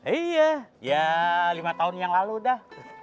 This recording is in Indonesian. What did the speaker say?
iya ya lima tahun yang lalu dah